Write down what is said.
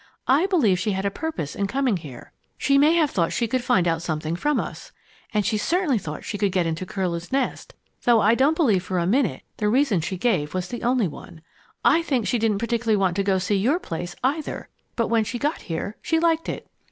"I believe she had a purpose in coming here she may have thought she could find out something from us. And she certainly thought she might get into Curlew's Nest, though I don't believe for a minute the reason she gave was the only one. I think she didn't particularly want to go to see your place, either, but when she got here she liked it."